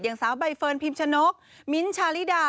สาวใบเฟิร์นพิมชนกมิ้นท์ชาลิดา